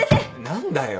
何だよ。